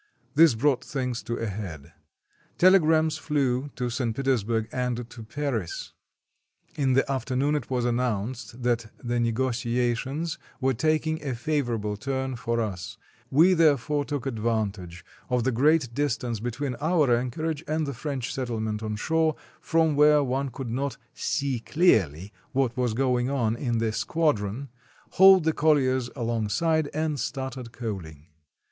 This brought things to a head. Telegrams flew to St. Petersburg and to Paris. In the afternoon it was announced that the negotia tions were taking a favorable turn for us; we therefore took advantage of the great distance between our anchorage and the French settlement on shore, from where one could not "see clearly" what was going on in the squadron, hauled the colliers alongside, and started coaling.